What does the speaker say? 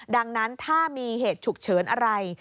ดังนั้นถ้ามีเหตุฉุกเฉินอะไร